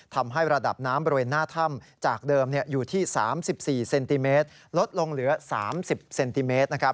ทำให้ระดับน้ำบริเวณหน้าถ้ำจากเดิมอยู่ที่๓๔เซนติเมตรลดลงเหลือ๓๐เซนติเมตร